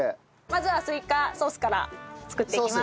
まずはスイカソースから作っていきます。